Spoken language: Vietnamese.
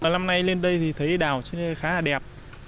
lâm nay lên đây thì thấy đào trên đây khá là đẹp